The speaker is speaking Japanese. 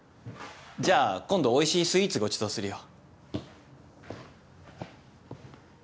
じゃあ今度おいしいスイーツごちそうするよ。